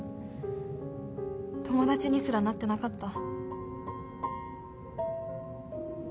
友達にすらなってなかった？